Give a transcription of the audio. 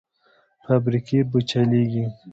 فابریکې به چلېږي؟